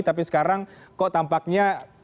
tapi sekarang kok tampaknya